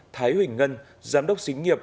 thái huỳnh ngân giám đốc xính nghiệp